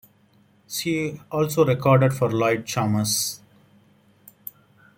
She also recorded for Lloyd Charmers.